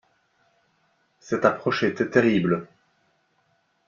Cette approche était terrible.